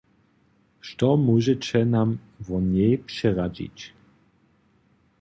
Što móžeće nam wo njej přeradźić?